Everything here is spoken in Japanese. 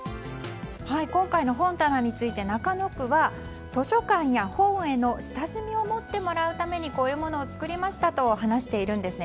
今回の本棚について中野区は図書館や本への親しみを持ってもらうためにこういうものを作りましたと話しているんですね。